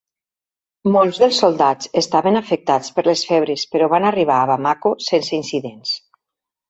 Molts dels soldats estaven afectats per les febres però van arribar a Bamako sense incidents.